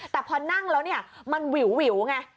แต่พอนั่งแล้วเนี่ยมันหวิวไง